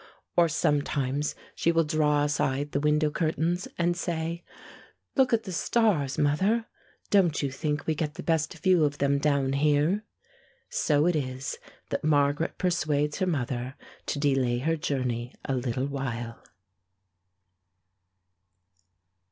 Or sometimes she will draw aside the window curtains and say: "Look at the stars, mother.... Don't you think we get the best view of them down here?" So it is that Margaret persuades her mother to delay her journey a little while.